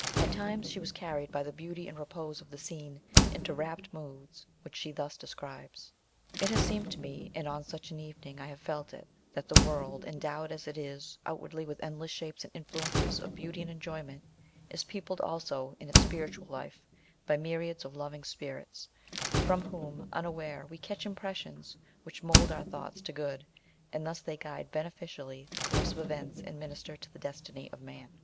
At times she was carried by the beauty and repose of the scene into rapt moods which she thus describes : It has seemed to me, and on such an evening I have felt it, that the world, endowed as it is outwardly with endless shapes and influences of beauty and enjoyment, is peopled also in its spiritual life bj myriads of loving spirits, from whom, unaware, we catch impressions which mould our thoughts to good, and thus they guide beneficially the course of events and minister to the destiny of man.